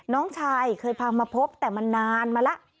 น้องชายเคยพามาพบแต่มันนานมาแล้ว